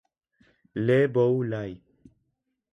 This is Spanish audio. Le Boulay